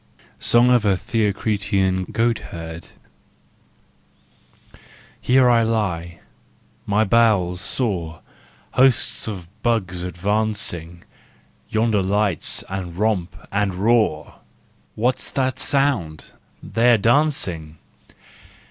SONG OF A THEOCRITEAN GOATHERD. Here I lie, my bowels sore, Hosts of bugs advancing, Yonder lights and romp and roar! What's that sound ? They're dancing!